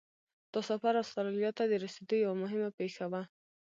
دا سفر استرالیا ته د رسېدو یوه مهمه پیښه وه.